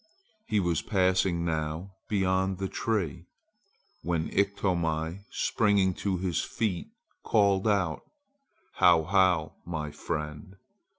He was passing now beyond the tree, when Iktomi, springing to his feet, called out: "How, how, my friend!